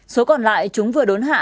số còn lại chúng vừa đốn hạ